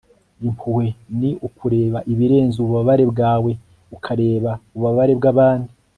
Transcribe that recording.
impuhwe ni ukureba ibirenze ububabare bwawe, ukareba ububabare bw'abandi